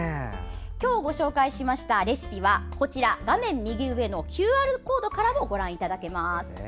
今日ご紹介しましたレシピは画面右上のＱＲコードからもご覧いただけます。